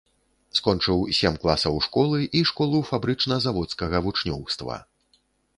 Скончыў сем класаў школы і школу фабрычна-заводскага вучнёўства.